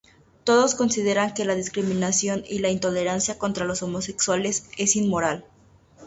Todos consideran que la discriminación y la intolerancia contra los homosexuales es inmoral.